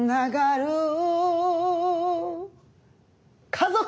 家族！